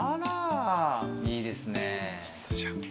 いいですね。